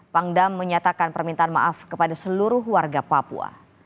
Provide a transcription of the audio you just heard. pangdam menyatakan permintaan maaf kepada seluruh warga papua